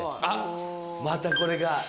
あっまたこれが。